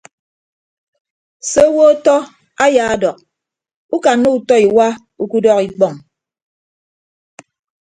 Se owo ọtọ ayaadọk ukanna utọ iwa ukudọk ikpọñ.